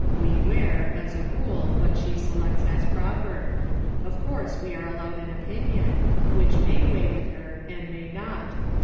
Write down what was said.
We wear, as a rule, what she selects as proper. Of course we are allowed an opinion, which may weigh with her and may not.